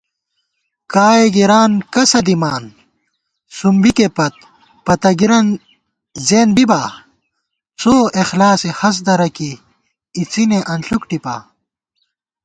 کائے گِران کسہ دِامان سُم بِکےپت پتہ گِرَن زېنت بِبا * څواخلاصےہست درہ کېئی اِڅِنےانݪُک ٹِپا